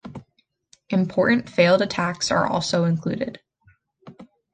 Important failed attacks are also included.